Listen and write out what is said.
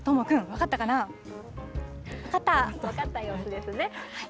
分かった様子ですね。